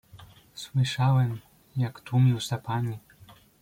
"Słyszałem, jak tłumił sapanie."